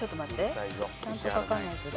ちゃんと書かないとダメ。